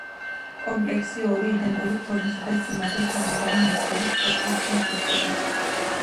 კომპლექსი ორი იდენტური ფორმისა და სიმაღლის თანაბარი მოცულობის კოშკისგან შედგება.